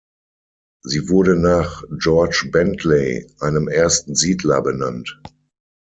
Sie wurde nach George Bentley, einem ersten Siedler, benannt.